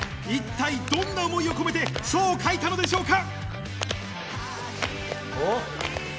一体どんな思いを込めて書を書いたのでしょうか？